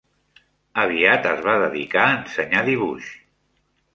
Aviat es va dedicar a ensenyar dibuix.